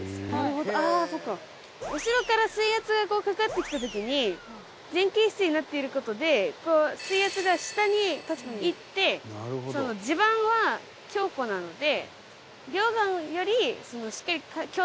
後ろから水圧がこうかかってきた時に前傾姿勢になっている事で水圧が下にいって地盤は強固なので。